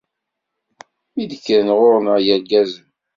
Mi d-kkren ɣur-neɣ yirgazen.